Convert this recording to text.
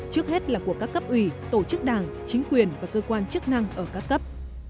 trước hết là của các cấp ủy tổ chức đảng chính quyền và cơ quan chức năng ở các cấp